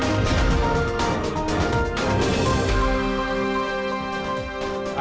kami akan mencoba untuk mencoba